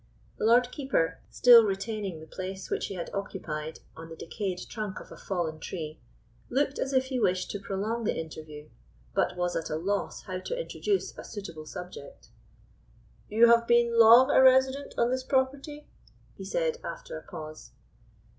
The Lord Keeper, still retaining the place which he had occupied on the decayed trunk of a fallen tree, looked as if he wished to prolong the interview, but was at a loss how to introduce a suitable subject. "You have been long a resident on this property?" he said, after a pause.